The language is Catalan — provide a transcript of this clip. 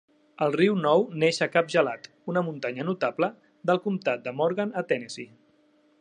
El riu Nou neix a Cap Gelat, una muntanya notable del comtat de Morgan, a Tennessee.